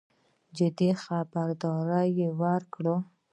جدي خبرداری ورکړ.